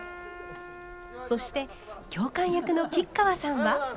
そして教官役の吉川さんは。